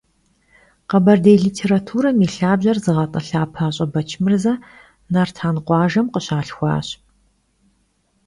Kheberdêy litêraturam yi lhabjer zığet'ılha Paş'e Beçmırze Nartan khuajjem khışalhxuaş.